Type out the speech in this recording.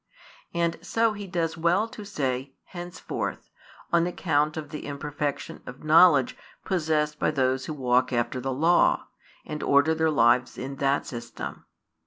And so He does well to say "henceforth," on account of the imperfection of knowledge possessed by those who walk after the law, and order their lives in that system.